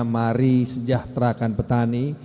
mari sejahterakan petani